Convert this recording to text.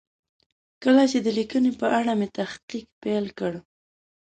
کله چې د لیکنې په اړه مې تحقیق پیل کړ.